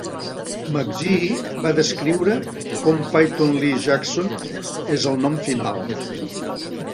McGee va descriure com Python Lee Jackson és el nom final.